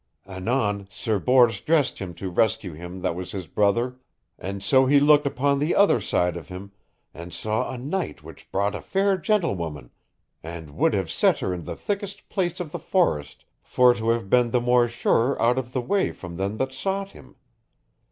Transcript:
"Anon Sir Bors dressed him to rescue him that was his brother; and so he looked upon the other side of him, and saw a knight which brought a fair gentlewoman, and would have set her in the thickest place of the forest for to have been the more surer out of the way from them that sought him.